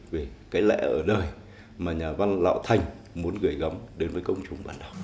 về cái lẽ ở đời mà nhà văn lão thành muốn gửi gắm đến với công chúng bản đồng